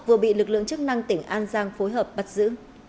vừa bị lực lượng chức năng tỉnh an giang phối hợp bắt giữ